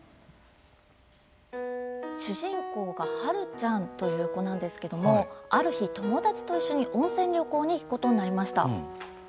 主人公がハルちゃんという子なんですけどもある日、友達と一緒に温泉旅行に行くことになりました。